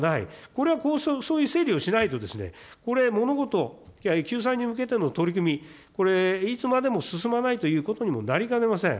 これはそういう整理をしないと、これ、ものごと、救済に向けての取り組み、これいつまでも進まないということにもなりかねません。